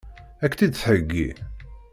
Ad k-tt-id-theggi?